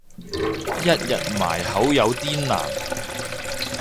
一日埋口有啲難